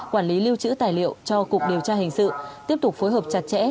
quản lý lưu trữ tài liệu cho cục điều tra hình sự tiếp tục phối hợp chặt chẽ